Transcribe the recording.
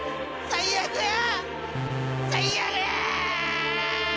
最悪や！